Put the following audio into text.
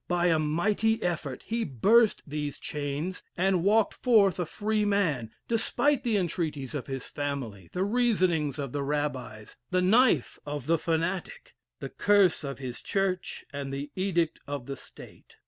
By a mighty effort he burst these chains, and walked forth a free man, despite the entreaties of his family, the reasonings of the rabbis, the knife of the fanatic, the curse of his church, and the edict of the state.